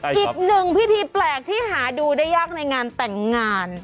อีกหนึ่งพิธีแปลกที่หาดูได้ยากในงานแต่งงาน